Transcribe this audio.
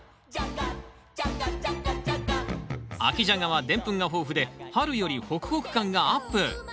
秋ジャガはでんぷんが豊富で春よりホクホク感がアップ！